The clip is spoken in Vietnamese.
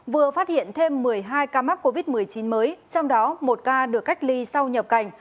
vừa phát hiện thêm một mươi hai ca mắc covid một mươi chín mới trong đó một ca được cách ly sau nhập cảnh